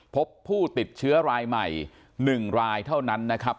พบผู้ติดเชื้อรายใหม่๑รายเท่านั้นนะครับ